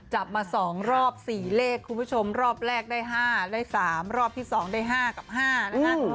จับมา๒รอบ๔เลขคุณผู้ชมรอบแรกได้๕ได้๓รอบที่๒ได้๕กับ๕นะคะ